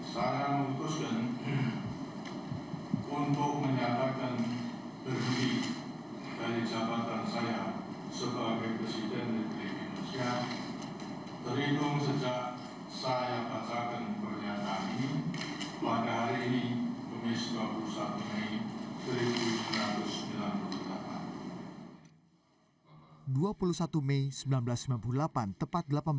saya memutuskan untuk menjabatkan berhenti dari jabatan saya sebagai presiden republik indonesia terhitung sejak saya bacakan pernyataan ini pada hari ini dua puluh satu mei seribu sembilan ratus sembilan puluh delapan